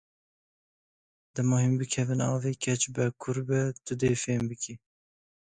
Dema hûn bikevin avê, keç be, kur be tu dê fehm bikî.